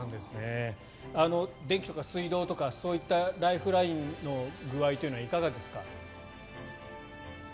電気とか水道とかそういったライフラインの具合というのはいかがですか。